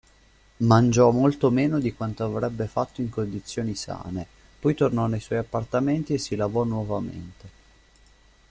Mangiò molto meno di quanto avrebbe fatto in condizioni sane, poi tornò nei suoi appartamenti e si lavò nuovamente.